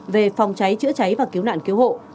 về phòng cháy chữa cháy và cứu nạn cứu hộ